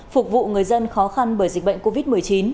phục vụ người dân khó khăn bởi dịch bệnh covid một mươi chín